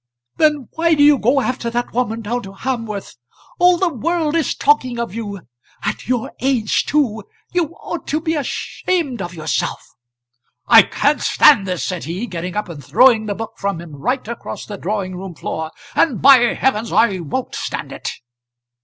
"Then why do you go after that woman down to Hamworth? All the world is talking of you. At your age too! You ought to be ashamed of yourself." "I can't stand this," said he, getting up and throwing the book from him right across the drawing room floor; "and, by heavens! I won't stand it."